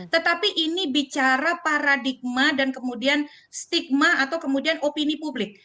tetapi ini bicara paradigma dan kemudian stigma atau kemudian opini publik